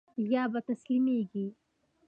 يا به تسليمېږي.